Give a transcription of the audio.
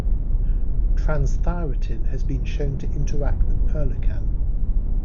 Transthyretin has been shown to interact with Perlecan.